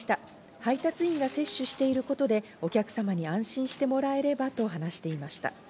配達員が接種していることでお客様に安心してもらえればと話していました。